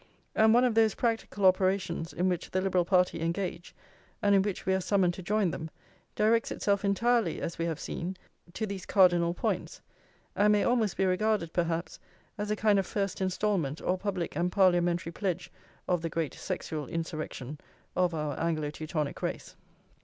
And one of those practical operations in which the Liberal party engage, and in which we are summoned to join them, directs itself entirely, as we have seen, to these cardinal points, and may almost be regarded, perhaps, as a kind of first instalment or public and parliamentary pledge of the great sexual insurrection of our Anglo Teutonic race.